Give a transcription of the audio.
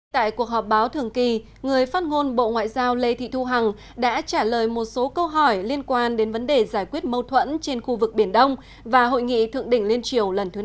tại cuộc họp báo thường kỳ người phát ngôn bộ ngoại giao lê thị thu hằng đã trả lời một số câu hỏi liên quan đến vấn đề giải quyết mâu thuẫn trên khu vực biển đông và hội nghị thượng đỉnh liên triều lần thứ năm